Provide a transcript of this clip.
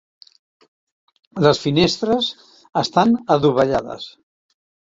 Les finestres estan adovellades.